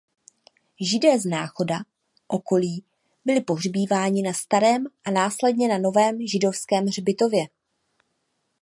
Židé z Náchoda okolí byli pohřbíváni na starém a následně na novém židovském hřbitově.